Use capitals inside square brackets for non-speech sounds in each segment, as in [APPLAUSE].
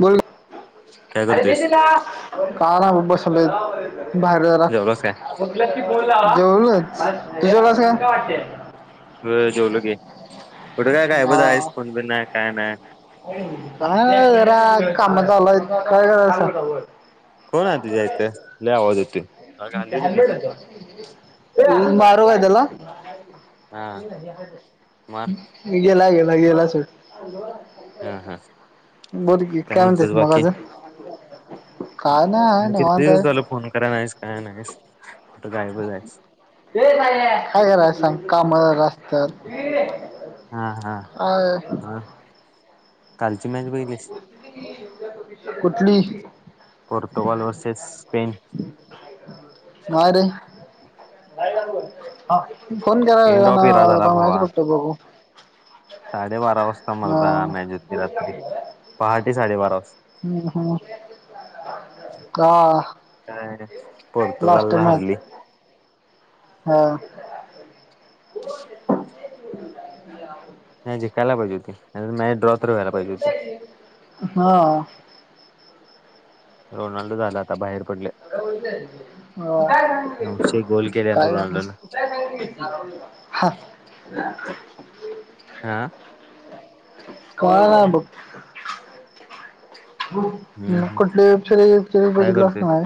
बोल, [UNINTELLIGIBLE] काय नाय बाबा बसलोय बाहेर जरा जेवलास काय [UNINTELLIGIBLE] जेवून तू जेवलास होय जेवलो की, कुठे काय काय हा गायबच आहेस फोन बीन नाय काय नाही. काय नाय जरा काम चालू आहेत कायं कोण आहे तुझ्या इथं लय आवाज येतोय आली करयच होतीत सांग ना? [UNINTELLIGIBLE] मी मारू काय त्याला, हा मार गेला ह्यो गेला असेल हा हा बोल की काय म्हणतेस म्हणतोस मग बाकी आजं [UNINTELLIGIBLE] किती दिवस झाला फोन कराय नाहीस काय नाहीस कुठं गायबच हायस काय कराय सांग काम जरा असतात हा हा म कालची मॅच बघितलिस कुठली पर्तुगाल वर्सेस स्पेन नाही रे फोन केराचं एंड ना ऑफ इरा मला मॅच बघतो बघ तू साडे बारा वाजता मरदा मॅच होती रात्री पहाटे साडेबारा वाजता हम्म हम् काय लास्ट पोर्तुगालला मॅच हरली हा [UNINTELLIGIBLE] [UNINTELLIGIBLE] नाही जिकायला पाहिजे होती मॅच ड्रॉ तर व्हायला पाहिजे होती. हा रोनाल्डो झाला आता बाहेर पडले हो नऊशे गोल केल्या काय हा रोनाल्डोन हा काय नाय बघ हम्म हम् कुठली पिचर बिचर काय बघितलास करतोय की नाय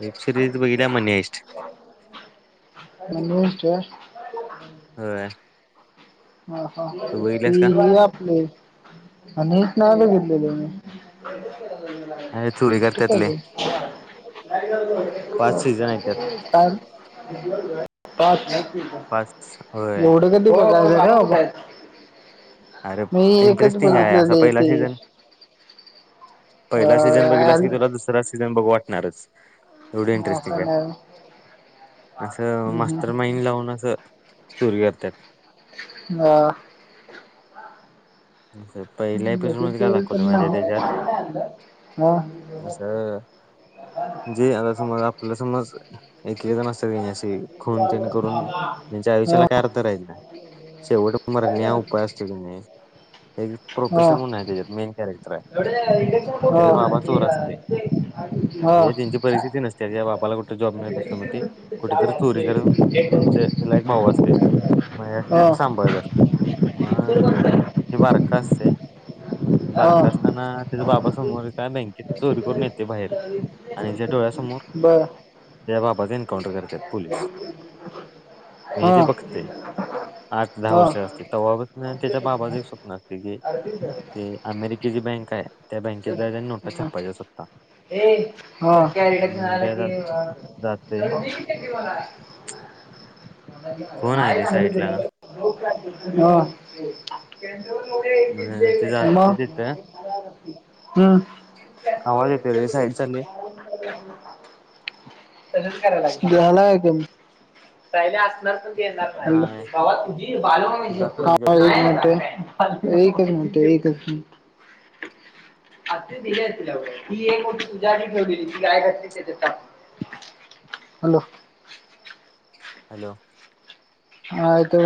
वेब सिरीज बघितल्या मनी हाईस्ट [UNINTELLIGIBLE] होय हा हा तू ते बघितल्यास का हे आपले आणि नाय बघितलेलं अरे चोरी करत्यात लय पाच सीझन आहेत त्यात का पाच होय एवढं कधी [UNINTELLIGIBLE] अरे मी एकच इंटरेस्टिंग आहे असा बघितलेले पहिला ते सीझन अ पहिला सीझन बघितलास की तुला दुसरा सीझन बघू वाटणारच एवढं असं इंटरेस्टिंग आहे आणि हाय असं मास्तर माइंड लावून असं चोरी करतात ह पहिल्या एपिसोड मध्ये काय दाखवलं म्हणजे नाही त्याच्यात हा हा अस जे आता समज आपल्या समज एकएक जन असतात कनी अशी हा खून तेन करून हा त्यांच्या आयुष्याला काय अर्थ राहत ना शेवट मरणे हा उपाय असतो त्यासनी एक त्याचा बाबा चोर असतय त्यांची परिस्थिती नसते बापाला कुठ जॉब मिळत नसतोय मग कुठेतरी चोरी करून त्यांचे त्याला एक भाऊ असते मग ह्यास्नी हा असं सांभाळत असते म हा हे बारका असतय बारका हा असताना त्याचा बाबा समोर का बँकेत चोरी करून येतय बाहेर आणि हेच्या डोळ्या समोर बर ते बाबाच एनकाउंटर करते [UNINTELLIGIBLE] म्हणजे ते हा बघतय आठ दहा हा वर्ष असतय तेव्हापासन हा त्याच्या बाबाच एक स्वप्न असतय की ते अमेरिकेची बँक आहे त्या बँकेत जायच आणि नोटा छापायच्या स्वतः ए हो कॅरी बॅग घेऊन मी आला काय की जा- जाते एवढ देकी त्यातली मला [INAUDIBLE] कोण आहे रे हम् साईड ला मग ते जाते तिथं आवाज येतो रे साईड चालले [UNINTELLIGIBLE] दहा ला आहे हा बाबा तुझी बाल तुझा कमी [UNINTELLIGIBLE] देतोय आवाज ते का आ ते दिले ही एक गोष्ट तुझ्या ठेवलेली ती गाय घातली त्याच्यात हॅलो हॅलो हा तो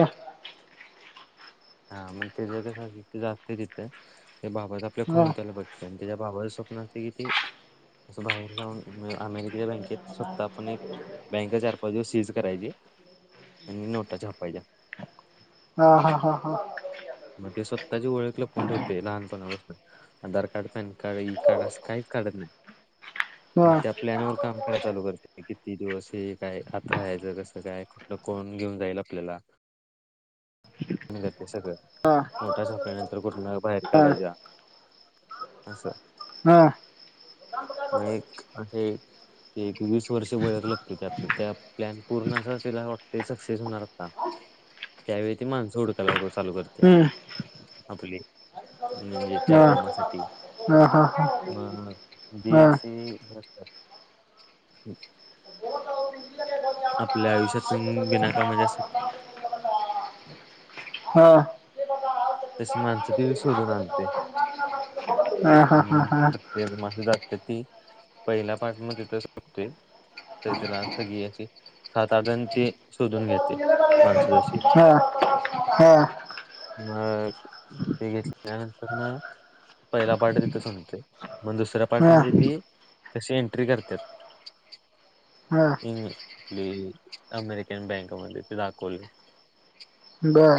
हा मग ते ज कस जातय तिथं बाबत आपल्या का खुण होत्याल बघतय त्याच्या बाबाचे स्वप्न असते कि ते असं बाहेर जाऊन अमेरिकेच्या बँकेत स्वत आपण एक बँके चार पाच दिवस चीज करायची आणि नोटा छपायच्या हा हा हा हा ते स्वतःची ओळख लपवून ठेवते लहानपणापासून. Aadhaar card PAN card e card असं काहीच काढत नाही हा आणि हा त्या प्लॅनवर काम कराय चालू करते किती दिवस काय आत राहायच कसं काय डकन घेऊन जाईल आपल्याला मिळत ते सगळं नोटा छापल्यानंतर कुठन बाहेर हा हा काढायच्या असं हा मग एक असे ते वीस वर्ष वळक लागतोय ते आपल्या त्या प्लॅन पूर्ण अस तिला वाटते सक्सेस होणार आता त्यावेळी ती माणसं हूडकायला चालू करते हम्म आपले म्हणजे हा त्या कामासाठी हा हा हा म बीी अशी ख आपल्या आयुष्यातून बिनाकामा जास्त हा हा तस माणसं दि शोधून आणते हा हा हा हम् हा. प्रत मा जात ती पहिल्या पाठमध्ये तर होते ते तेला थगीे सात आठणची हा हा म ते घतल त्यानंतर ना पहिला पार्ट तिथेच संपतोय मग दुसऱ्या पार्टमध्ये ती कशी एंट्री करतात हा हा इ [UNINTELLIGIBLE] अमेरिकन बँकमध्ये ते दाखवली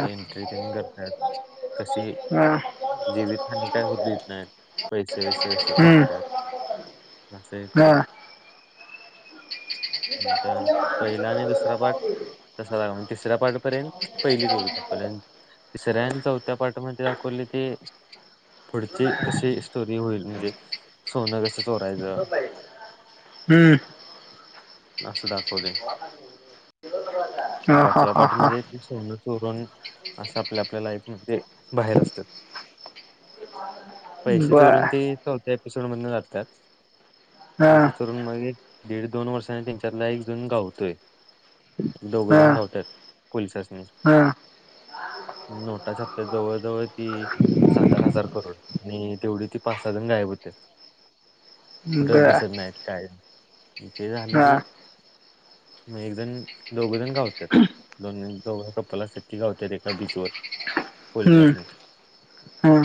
ते एंट्री तेन करतात हा. कस ही हम्म. जीवितहानी काय होत देत नाहीत पैसे वैसे कसे झपतात अस हे करून हा. पहिला आणि दुसरा पाठ तसा ला तिसऱ्या पाठपर्यंत पहिली चरूतर्यंत तिसऱ्या आणि चौथ्या पाठ मध्ये कुनी ते पुढची कशी स्टोरी होईल म्हणजे सोनं कस हम्म आस दाखवायलय हा हा पाचव्या हा पाठ हा सोन ते चोरण असं आपल्या आपल्या लाईफमध्ये माहेर असतात पैसे बर चोरून ते चौथ्या एपिसोड मध्ये जातात हा पैसे चोरून मनजे दीड दोन वर्षांनी त्यांच्यातला एक जण गावतोय दोघे हा जण गावतात हा नोटाच्या छापतात्यात जवळ जवळ ती सात आठ हजार करोड आणि तेवढी ती पाच सहाजण गायब होत्या बरं.. काय ते झालं की मग एक जण दोघंजण घावत्यात दोन [UNINTELLIGIBLE] कप्पललासाठी ती घावत्यात एका बीचवर हम्म पोलीसांनी हा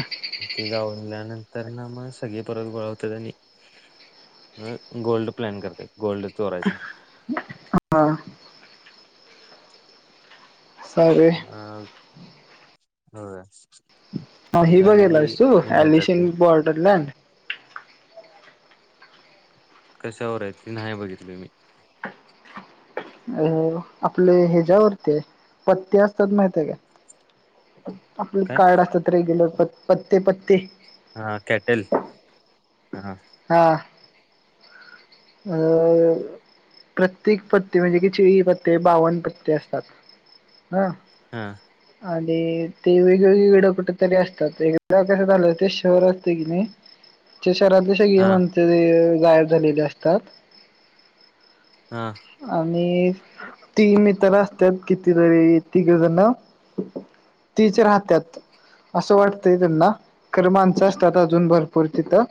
ते घावल्यानंतर ना मग सगळे परत गोळा होत्यात आणि मग गोल्ड प्लॅन करत्यात गोल्ड चोरायचा हा सारे होय ह ही बघितलास तू एलीशन बॉर्डरलार्ट कशावर आहे नाही बघितली मी अ आपले ह्याच्या्यावरती पत्ते असतात माहितय काय? [INAUDIBLE] आपलं कार्ड असत रेग्युलर पत्ते पत्ते. हा कॅटेल हा अ प्रत्येक पत्ते म्हणजे चोवी ते बावन्न पत्ते असतात हं हा - -हे वेगवेगळे कुठेतरी असतात आणि एकदा शहर असते का नाही - - [INAUDIBLE] शहरातले सगळे म्हण गायब झालेले असतात हा आणि ती म तर असतत किती तरी तिघजण. तीच राहत्यात असं वाटतंय त्यांना खरं माणसअसतात अजून भरपूर तिथं.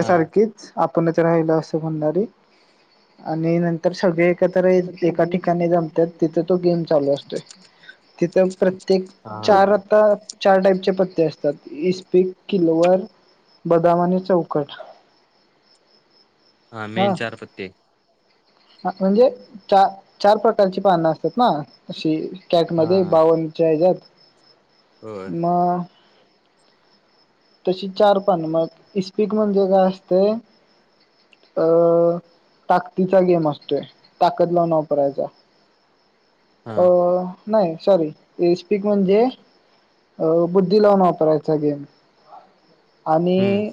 हा आपणच राहिल असं म्हणणारी आणि नंतर सगळे एकत्र एका ठिकाणी जमतात, तिथे तो गेम चालू असतोय. तिथ प्रत्येक हा चार हा आता, चार टाईपचे प असतात इस्पिक किलवर बदामा आणि, चौकट, हा मेन चार पत्ते, ह म्हणजे च चार प्रकारची पानं असतात, ना अशी, कॅट हा मध्ये हा बावन्च्या हजात, होय म, तशी चार पान मग, इस्पिक म्हणजे काय असते? [UNINTELLIGIBLE] ताकतीचा गेम असतोय ताकद लावून वापरायचा हा अ नाही सॉरी ए स्पीक म्हणजे बुद्धी लावून वापरायचा गेम हम्म आणि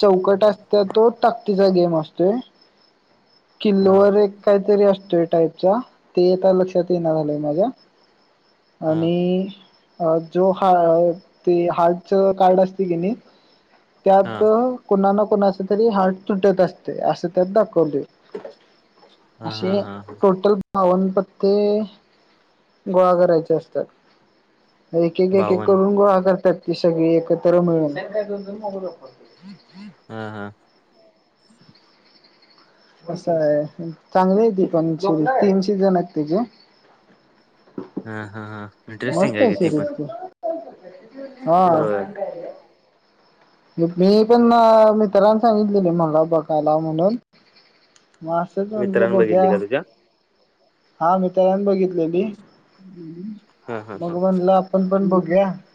चौकट असत तो ताकतीचा गेम असतोय किल्लो हा वर एक काहीतरी असत टाईपचा ते आता लक्षात येणार झालंय माझ्या हा आणि अ जो ह ते हार्टच कार्ड असते की नाही त्यात हा कोणा ना कोणाच तरी हार्ट तुटत असते असं त्यात दाखवत हा हा असे हा टोटल बावन् पत्ते गोळा करायच्या असतात एक एक एक एक बावन करून गोळा करतात. ती सगळी एकत्र मिळून [UNINTELLIGIBLE] हा हा, असं आहे चांगली आहे ती प तीन शिजन आहेत. तचीे हा, हा, हा, इंटरेस्टिंग मस्त आहे की ती पण. शरीफ त हा, होय मी पण मित्रांने सांगितलेले मला बघायला म्हणून, मग असंच म्हटलं मित्रांन बघ्या, बघितली का तुझ्या? हा मीत्रान बघितलेली, हा, हा, मग हा, म्हणलं आपण पण बघूया [UNINTELLIGIBLE]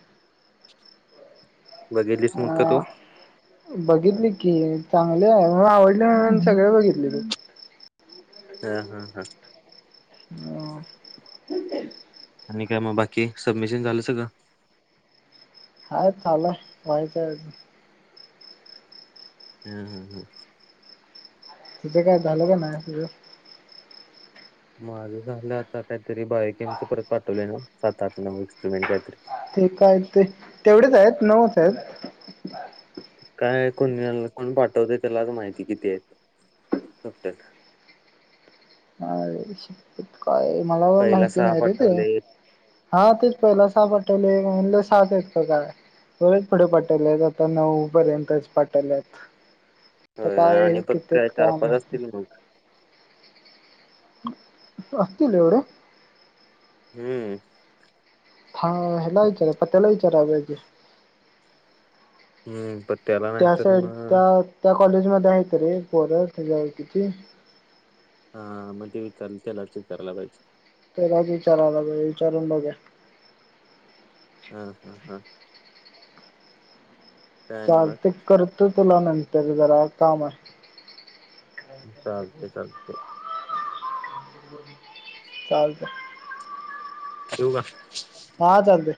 बघेलीस मग का तू, अ बघितली की चांगले आहे, मग आवडले मून सगळे बघितले की, हा हा हा ह आणि काय मग बाकी सबमिशन झालं सगळं हायं चालू हाय व्हायचय अजून हम हा हम तुझं काय झालं का नाही तुझ माझं झालं आता काहीतरी बायकेमचं परत पाठवलंय न्हवं सात आठ नऊ एक्सपिरिमेंट काहीतरी ते काय ते तेवढेच आहेत नऊच आहेत काय कोणी कोण पाठवतयं त्यालाचं माहिती किती आहेत [INAUDIBLE] ह शपथ काय मला पण पहिला माहिती सहा नाही रे ते पाठवले हा तेच पहिला सहा पाठवले म्हंटलं सहाच आहेत का काय परत पुढे पाठवले आहेत आता नऊ पर्यंतच पाठवले आहेत आता होय काय आणि परत किती आहेत चार काय पाच माहिती असतील मग. असतील एवढे हम्म हा हेला विचार पत्याला विचाराय पाहिजे हम्म पण त्याला त्या नाहीतर साईड मग त्या कॉलेज मध्ये आहेत रे पोरं त्याच्या ओळखीची हा मग ते विचार त्यालाच विचारायला पाहिजे त्यालाच विचाराय पाहिजे विचारून बघूया हम् हम् हम् चालतंय करतो तुला नंतर जरा काम आहे चालतय चालतय चालतय ठेऊ का हा चालतय